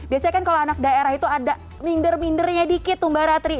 biasanya kan kalau anak daerah itu ada minder mindernya dikit tuh mbak ratri